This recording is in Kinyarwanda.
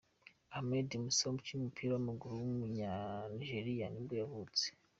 Ahmed Musa, umukinnyi w’umupira w’amaguru w’umunyanigeriya nibwo yavutse.